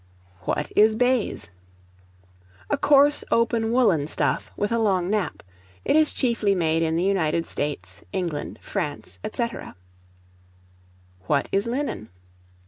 What is Baize? A coarse, open, woollen stuff, with a long nap. It is chiefly made in the United States, England, France, &c. What is Linen?